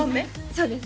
そうです